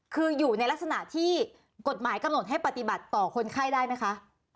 คืออยู่ในลักษณะที่กฎหมายกำหนดให้ปฏิบัติต่อคนไข้ได้ไหมคะ